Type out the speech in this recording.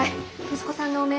息子さんの汚名